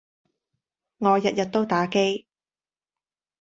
我日日都打機